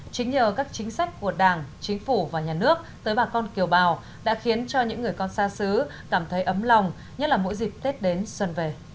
chính nhờ các chính sách của đảng chính phủ và nhà nước tới bà con kiều bào đã khiến cho những người con xa xứ cảm thấy ấm lòng nhất là mỗi dịp tết đến xuân về